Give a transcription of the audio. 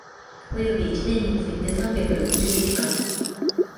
及び一年について三百六十時間